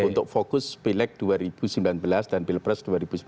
untuk fokus pilek dua ribu sembilan belas dan pilpres dua ribu sembilan belas